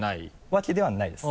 わけではないです。